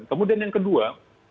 kemudian yang kedua